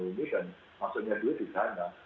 dan maksudnya dulu di sana